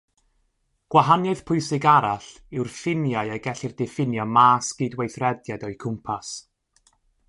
Gwahaniaeth pwysig arall yw'r ffiniau y gellir diffinio mas-gydweithrediad o'u cwmpas.